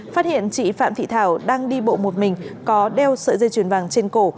phát hiện chị phạm thị thảo đang đi bộ một mình có đeo sợi dây chuyền vàng trên cổ